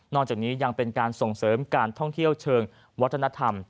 จากนี้ยังเป็นการส่งเสริมการท่องเที่ยวเชิงวัฒนธรรม